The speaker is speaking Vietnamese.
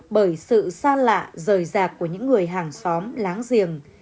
bởi sự xa lạ rời rạc của những người hàng xóm láng giềng